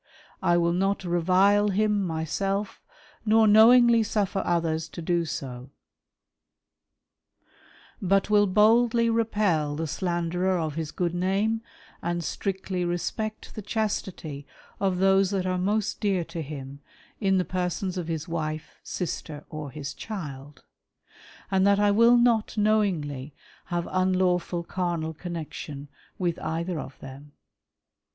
I will not " revile him myself, nor knowingly suffer others to do so ; but "will boldly repel the slanderer of his good name, and strictly " respect the chastity of those that are most dear to him, in the " persons of his wife, sister, or his child : and that I will not " knowingly have unlawful carnal connexion with either of them.